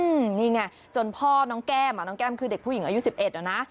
อืมนี่ไงจนพ่อน้องแก้มน้องแก้มคือเด็กผู้หญิงอายุ๑๑นะ